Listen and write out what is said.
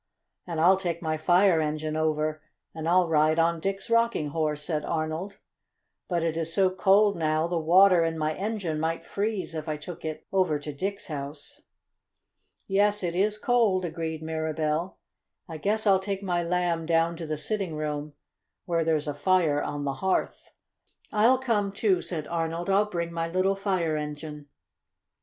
"And I'll take my fire engine over and I'll ride on Dick's Rocking Horse," said Arnold. "But it is so cold now the water in my engine might freeze if I took it over to Dick's house." "Yes, it is cold," agreed Mirabell. "I guess I'll take my Lamb down to the sitting room, where there's a fire on the hearth." "I'll come too," said Arnold. "I'll bring my little fire engine."